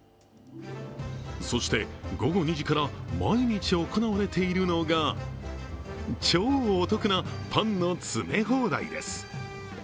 そして、午後２時から毎日行われているのが、超お得なパンの詰め放題です。